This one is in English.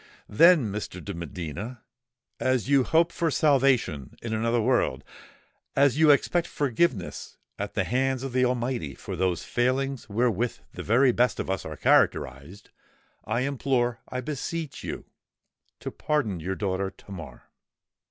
Then, Mr. de Medina,—as you hope for salvation in another world,—as you expect forgiveness at the hands of the Almighty for those failings wherewith the very best of us are characterised,—I implore—I beseech you, to pardon your daughter Tamar!"